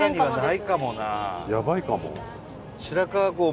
やばいかも。